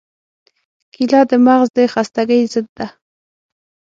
کېله د مغزو د خستګۍ ضد ده.